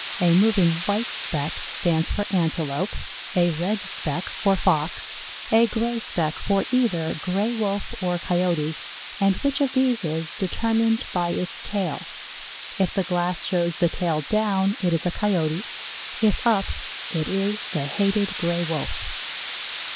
A moving white speck stands for Antelope, a red speck for Fox, a gray speck for either Gray wolf or Coyote, and which of these is determined by its tail. If the glass shows the tail down, it is a Coyote; if up, it is the hated Gray wolf.